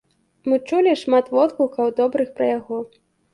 Мы чулі шмат водгукаў добрых пра яго.